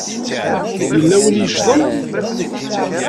Yella win i yeccḍen.